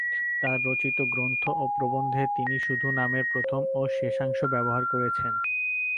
তাঁর রচিত গ্রন্থ ও প্রবন্ধে তিনি শুধু নামের প্রথম ও শেষাংশ ব্যবহার করেছেন।